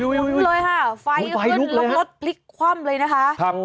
มุนเลยค่ะไฟขึ้นล้อมรถปลิ๊กคว่ำเลยนะคะ